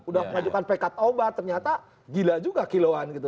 udah mengajukan pekat obat ternyata gila juga kiloan gitu